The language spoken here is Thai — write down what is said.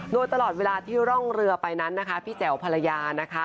โดยตลอดเวลาที่ร่องเรือไปนั้นนะคะพี่แจ๋วภรรยานะคะ